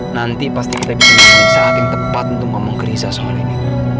nanti pasti kita bisa menunggu saat yang tepat untuk ngomong ke riza soal ini